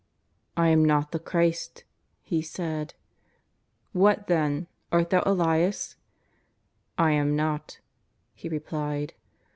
''" I am not the Christ," he said. " What, then ; art thou Elias ?"" I am not," he replied.